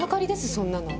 そんなの。